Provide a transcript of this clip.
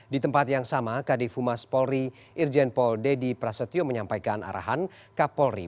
di tempat yang sama kd fumas polri irjen paul dedi prasetyo menyampaikan arahan kapolri